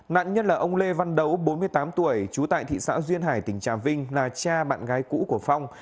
nặng nhất là ông lê văn đấu bốn mươi tám tuổi chú tại thị xã duyên hải tỉnh trà vinh là cha bạn gái cũ của phong